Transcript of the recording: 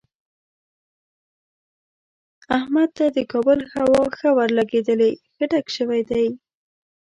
احمد ته د کابل هوا ښه ورلګېدلې، ښه ډک شوی دی.